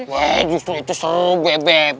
weh justru itu seru beb